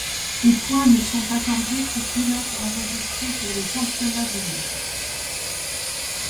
Les points ne sont accordés qu'aux pilotes enregistrées pour le championnat du monde.